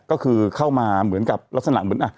ก็คือเข้ามาเหมือนกับลักษณะเหมือน